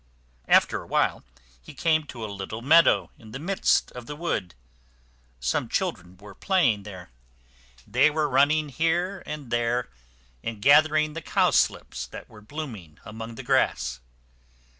After a while he came to a little meadow in the midst of the wood. Some children were playing there. They were running here and there, and gathering the cow slips that were blooming among the grass.